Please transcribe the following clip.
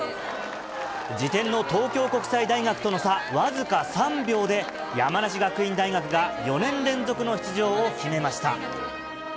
次点の東京国際大学との差、僅か３秒で、山梨学院大学が４年連続の出場を決めました。